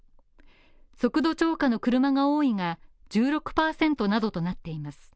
速度超過の車が多いが１６％などとなっています。